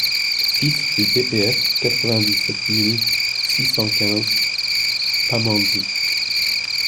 six rue PPF, quatre-vingt-dix-sept mille six cent quinze Pamandzi